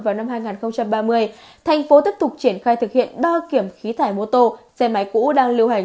vào năm hai nghìn ba mươi thành phố tiếp tục triển khai thực hiện đo kiểm khí thải mô tô xe máy cũ đang lưu hành